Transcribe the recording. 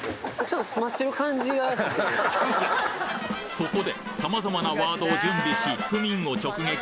そこで様々なワードを準備し府民を直撃！